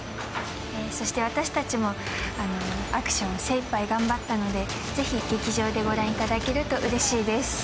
そして私たちもアクション精いっぱい頑張ったので、ぜひ劇場でご覧いただけるとうれしいです。